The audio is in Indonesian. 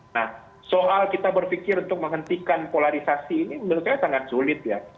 nah soal kita berpikir untuk menghentikan polarisasi ini menurut saya sangat sulit ya